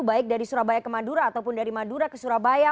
baik dari surabaya ke madura ataupun dari madura ke surabaya